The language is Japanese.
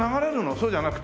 そうじゃなくて？